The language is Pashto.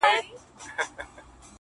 د لېوني د ژوند سُر پر یو تال نه راځي ـ